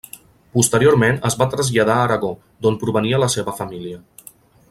Posteriorment es va traslladar a Aragó, d'on provenia la seva família.